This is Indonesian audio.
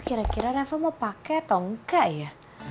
kira kira reva mau pake atau engga ya